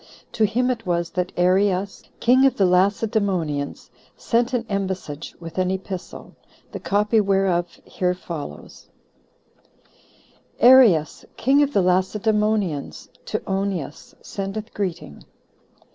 To him it was that Areus, king of the Lacedemonians, sent an embassage, with an epistle; the copy whereof here follows: "Areus, King Of The Lacedemonians, To Onias, Sendeth Greeting.